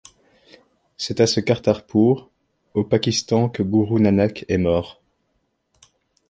C'est à ce Kartarpur, au Pakistan que Guru Nanak est mort.